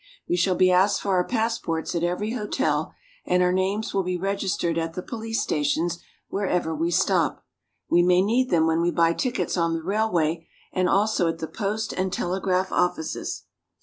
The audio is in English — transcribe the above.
We shall be asked for our passports at every hotel, and our names will be registered at the police stations wherever we stop. We may need them when we buy tickets on the railway, and also at the post and telegraph offices.